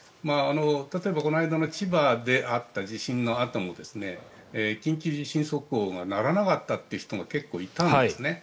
例えばこの間の千葉であった地震のあとも緊急地震速報が鳴らなかったという人も結構いたんですね。